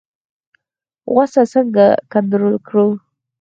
غوسه څنګه کنټرول کړو؟